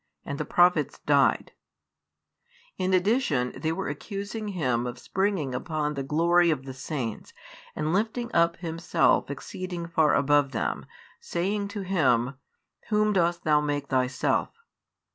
and the Prophets died: in addition, they were accusing Him of springing upon the glory of the Saints and lifting up Himself exceeding far above them, saying to Him, Whom dost Thou make Thyself?